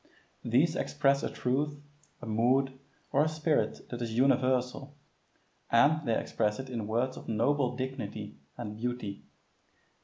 These express a truth, a mood, or a spirit that is universal, and they express it in words of noble dignity and beauty.